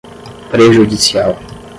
prejudicial